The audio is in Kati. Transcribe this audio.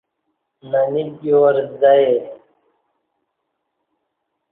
ننی دیو وار زہ یے